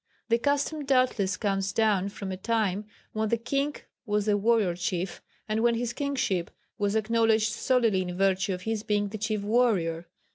The custom doubtless comes down from a time when the King was the warrior chief, and when his kingship was acknowledged solely in virtue of his being the chief warrior.